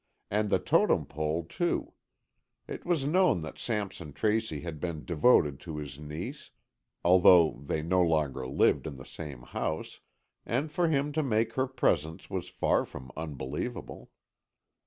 And the Totem Pole, too. It was known that Sampson Tracy had been devoted to his niece, although they no longer lived in the same house, and for him to make her presents was far from unbelievable.